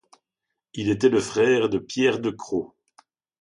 Il était le frère de Pierre de Cros.